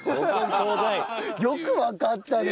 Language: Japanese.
よくわかったね！